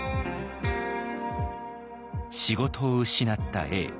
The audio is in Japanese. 仕事を失った永。